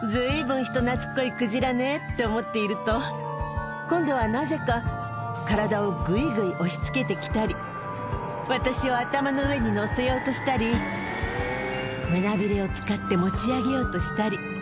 って思っていると今度はなぜか体をぐいぐい押し付けてきたり私を頭の上に乗せようとしたり胸ビレを使って持ち上げようとしたり。